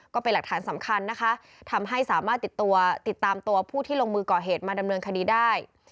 ก็เป็นหลักฐานสำคัญนะคะทำให้สามารถติดตัวติดตามตัวผู้ที่ลงมือก่อเหตุมาดำเนินคดีได้